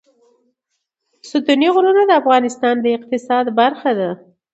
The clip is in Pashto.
ستوني غرونه د افغانستان د اقتصاد برخه ده.